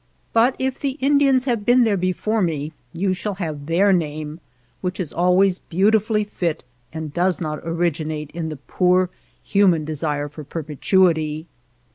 But if the Indians have been there before me, you shall have their name, which is always beautifully fit and does not originate in the poor human desire for perpetuity.